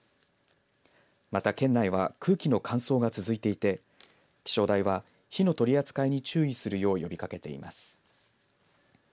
また県内は空気の乾燥が続いていて気象台は火の取り扱いに注意するよう呼びかけています。